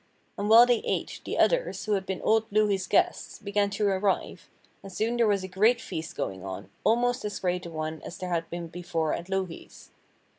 And while they ate, the others, who had been old Louhi's guests, began to arrive, and soon there was a great feast going on, almost as great a one as there had been before at Louhi's.